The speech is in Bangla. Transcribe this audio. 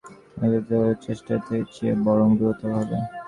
এগুলো ঠিক করার চেষ্টার চেয়ে বরং দ্রুততর হবে।